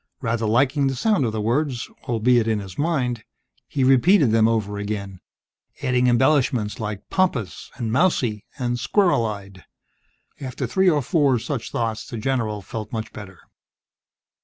Rather liking the sound of the words albeit in his mind he repeated them over again, adding embellishments like "pompous" and "mousy" and "squirrel eyed." After three or four such thoughts, the general felt much better.